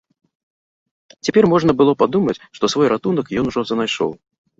Цяпер можна было падумаць, што свой ратунак ён ужо знайшоў.